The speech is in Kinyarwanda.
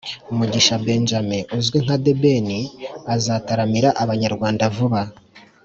Mugisha benjamin uzwi nka the ben azataramira abanyarwanda vuba